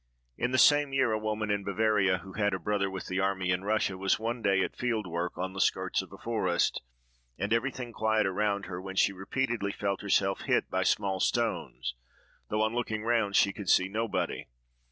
In the same year, a woman in Bavaria, who had a brother with the army in Russia, was one day at field work, on the skirts of a forest, and everything quiet around her, when she repeatedly felt herself hit by small stones, though, on looking round, she could see nobody.